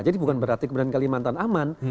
jadi bukan berarti kemudian kalimantan aman